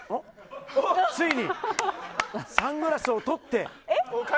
ついにサングラスを取って。